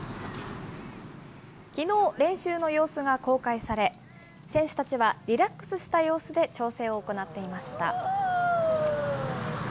きのう、練習の様子が公開され、選手たちはリラックスした様子で調整を行っていました。